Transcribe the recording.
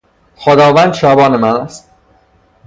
خداوند شبان من است...